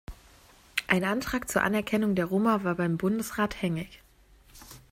Ein Antrag zur Anerkennung der Roma war beim Bundesrat hängig.